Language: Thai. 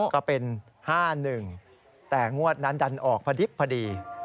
ก็เป็น๕๑แต่งวดนั้นดันออกพอดิบพอดี